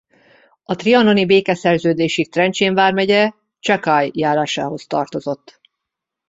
A trianoni békeszerződésig Trencsén vármegye Csacai járásához tartozott.